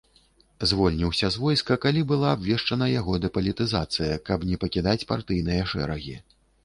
Звольніўся з войска, калі была абвешчана яго дэпалітызацыя, каб не пакідаць партыйныя шэрагі.